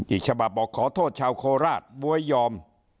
อีกฉบับบอกขอโทษชาวโคราชบ๊วยยอม